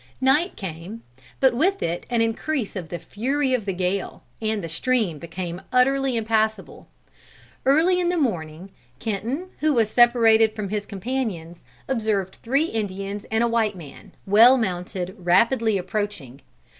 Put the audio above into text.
"Night came, but with it an increase of the fury of the gale, and the stream became utterly impassable. Early in the morning Kenton, who was separated from his companions, observed three Indians and a white man, well mounted, rapidly approaching.